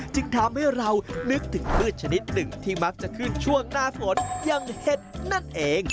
จึงทำให้เรานึกถึงพืชชนิดหนึ่งที่มักจะขึ้นช่วงหน้าฝนอย่างเห็ดนั่นเอง